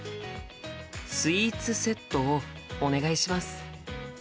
スイーツセットをお願いします。